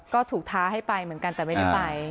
ก็ถูกท้าให้ไปเหมือนกันแต่ไม่ได้ไป